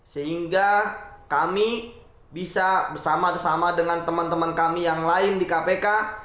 sehingga kami bisa bersama sama dengan teman teman kami yang lain di kpk